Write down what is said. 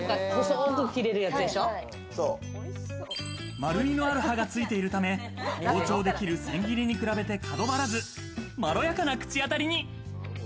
丸みのある刃が付いているため、包丁で切る千切りに比べて角ばらず、まろやかな口当たりに。